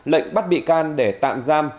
lệnh bắt bị can để tạm giam